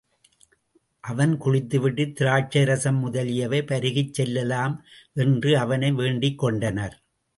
அவன் குளித்துவிட்டு, திராட்சை ரசம் முதலியவை பருகிச் செல்லலாம் என்று அவனை வேண்டிக்கொண்டனர்.